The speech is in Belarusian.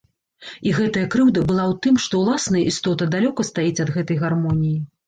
І гэтая крыўда была ў тым, што ўласная істота далёка стаіць ад гэтай гармоніі.